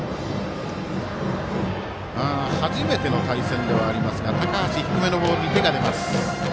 初めての対戦ではありますが高橋、低めのボールに手が出ます。